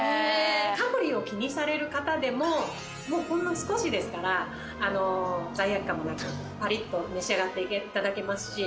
カロリーを気にされる方でもほんの少しですから罪悪感もなくパリっと召し上がっていただけますし。